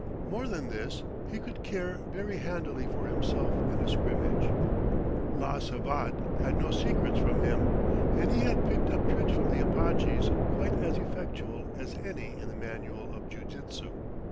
More than this, he could care very handily for himself in a scrimmage: la savate had no secrets from him, and he had picked up tricks from the Apaches quite as effectual as any in the manual of jiu jitsu.